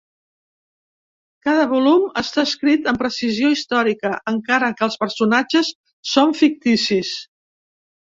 Cada volum està escrit amb precisió històrica, encara que els personatges són ficticis.